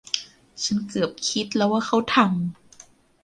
ฉันเกือบคิดแล้วว่าเขาทำ